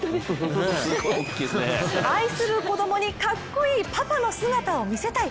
愛する子供にかっこいいパパの姿を見せたい！